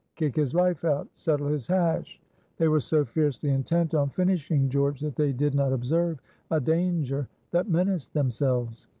"Kick his life out!" "Settle his hash!" They were so fiercely intent on finishing George that they did not observe a danger that menaced themselves.